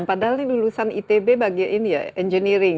padahal ini lulusan itb engineering